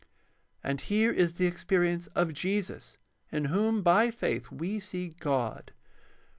And here is the experience of Jesus in whom by faith we see God.